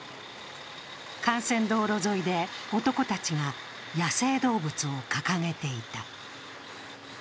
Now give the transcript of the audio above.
幹線道路沿いで男たちが野生動物たちを掲げていた。